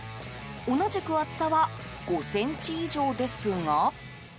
同じく厚さは５ｃｍ以上ですが。